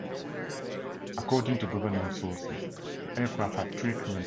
According to government sources, the aircraft had three crew and two passengers.